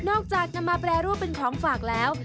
นำมาแปรรูปเป็นของฝากแล้ว